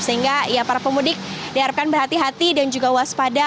sehingga ya para pemudik diharapkan berhati hati dan juga waspada